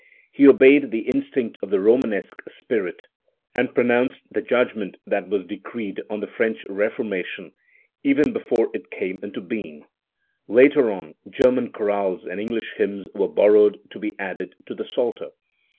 He obeyed the instinct of the Romanesque spirit, and pronounced the judgment that was decreed on the French Reformation even before il came into being. Later on, German chorales and English hymns were borrow ed to be added to the Psalter.